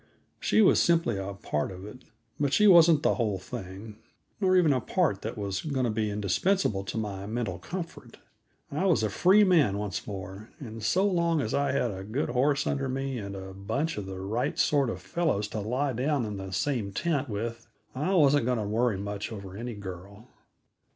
She was simply a part of it but she wasn't the whole thing, nor even a part that was going to be indispensable to my mental comfort. I was a free man once more, and so long as I had a good horse under me, and a bunch of the right sort of fellows to lie down in the same tent with, I wasn't going to worry much over any girl.